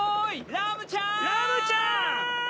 ラムちゃん！